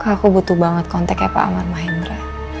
kak aku butuh banget kontaknya pak amar mahendra